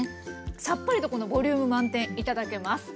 さっぱりとこのボリューム満点頂けます。